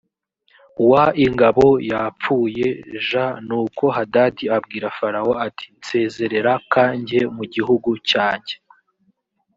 w ingabo yapfuye j nuko hadadi abwira farawo ati nsezerera k njye mu gihugu cyanjye